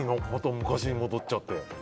昔に戻っちゃって。